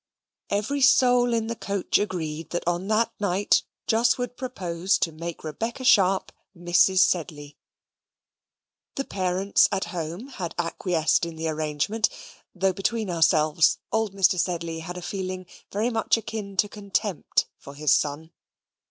Every soul in the coach agreed that on that night Jos would propose to make Rebecca Sharp Mrs. Sedley. The parents at home had acquiesced in the arrangement, though, between ourselves, old Mr. Sedley had a feeling very much akin to contempt for his son.